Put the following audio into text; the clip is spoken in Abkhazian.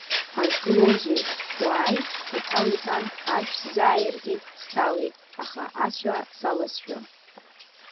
Ҳазгылоузеи, уааи, уҭал иҳәан, ашә сзааиртит сҭалеит, аха ацәа салазшәа.